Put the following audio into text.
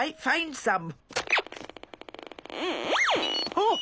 あっ！